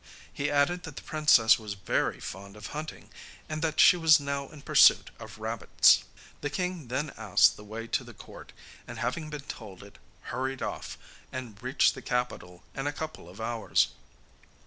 He added that the princess was very fond of hunting, and that she was now in pursuit of rabbits. The king then asked the way to the court, and having been told it, hurried off, and reached the capital in a couple of hours.